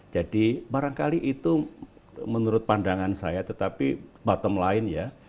jadi barangkali itu menurut pandangan saya tetapi bottom line ya